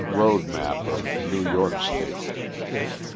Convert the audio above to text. Road Map of New York State.